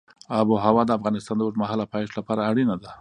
آب وهوا د افغانستان د اوږدمهاله پایښت لپاره اړینه ده.